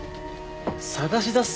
捜し出す